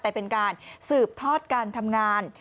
แต่เป็นการสืบทอดการทำงาน